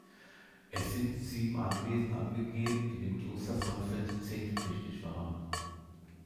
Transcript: Es sind sieben Anwesen angegeben, die dem Kloster Sonnefeld zehntpflichtig waren.